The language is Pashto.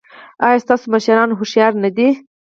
ایا ستاسو مشران هوښیار نه دي؟